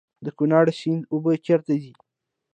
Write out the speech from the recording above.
د کونړ سیند اوبه چیرته ځي؟